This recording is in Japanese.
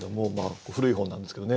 古い本なんですけどね。